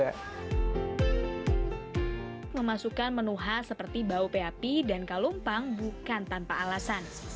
mereka juga memasukkan menu khas seperti bau pehapi dan kalumpang bukan tanpa alasan